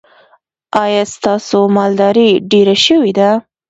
ایا ستاسو مالداري ډیره شوې ده؟